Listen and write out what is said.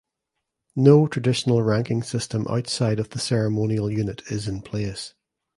No traditional ranking system outside of the ceremonial unit is in place.